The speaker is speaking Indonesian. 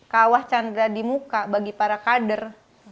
kawah chandra di muka bagi para kader